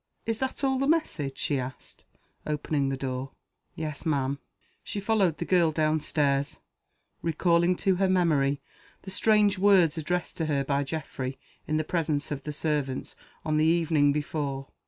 "Is that all the message?" she asked, opening the door. "Yes, ma'am." She followed the girl down stairs; recalling to her memory the strange words addressed to her by Geoffrey, in the presence of the servants, on the evening before.